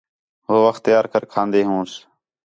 ہو وخت تیار کر کھان٘دے ہونس